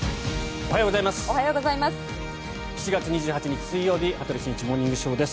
おはようございます。